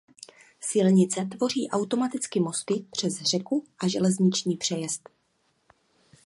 Silnice tvoří automaticky mosty přes řeku a železniční přejezd.